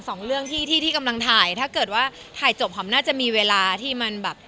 สองเรื่องที่ที่กำลังถ่ายถ้าเกิดว่าถ่ายจบหอมน่าจะมีเวลาที่มันแบบ